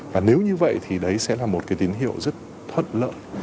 và nếu như vậy thì đấy sẽ là một cái tín hiệu rất thuận lợi